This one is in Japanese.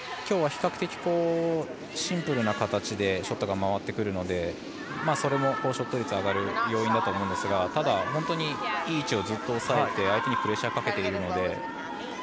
今日は比較的シンプルな形でショットが回ってくるのでそれもショット率が上がる要因だと思いますがただ本当にいい位置をずっと押さえて相手にプレッシャーをかけているので。